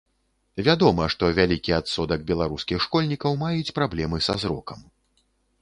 Вядома, што вялікі адсотак беларускіх школьнікаў маюць праблемы са зрокам.